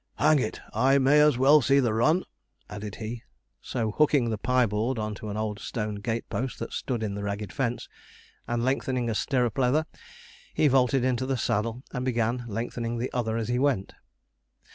'Hang it! I may as well see the run,' added he; so hooking the piebald on to an old stone gate post that stood in the ragged fence, and lengthening a stirrup leather, he vaulted into the saddle, and began lengthening the other as he went.